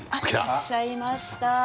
いらっしゃいました。